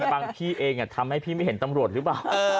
บางที่เองทำให้พี่ไม่เห็นตำรวจหรือเปล่า